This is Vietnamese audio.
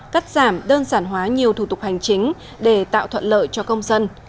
cắt giảm đơn giản hóa nhiều thủ tục hành chính để tạo thuận lợi cho công dân